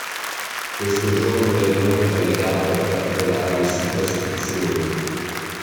Questo giorno era inoltre legato a particolari superstizioni.